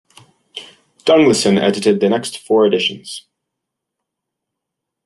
Dunglison edited the next four editions.